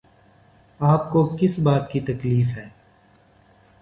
آپ کو کس بات کی تکلیف ہے؟